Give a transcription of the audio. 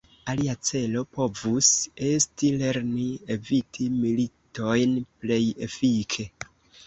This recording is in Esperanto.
Alia celo povus esti lerni eviti militojn plej efike.